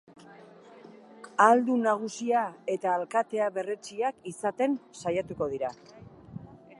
Ahaldun nagusia eta alkatea berretsiak izaten saiatuko dira.